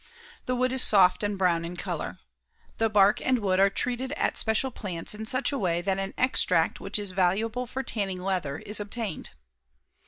The wood is soft and brown in color. The bark and wood are treated at special plants in such a way that an extract which is valuable for tanning leather is obtained.